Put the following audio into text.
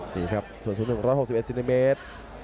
นี่ครับส่วน๑๖๑ซินิเมตร